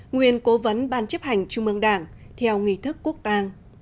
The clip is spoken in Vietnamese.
nguyên cố vấn ban chấp hành trung mương đảng theo nghị thức quốc tăng